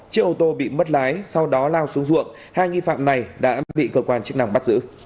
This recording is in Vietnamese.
chiếc ô tô bị mất lái sau đó lao xuống ruộng hai nghi phạm này đã bị cơ quan chức năng bắt giữ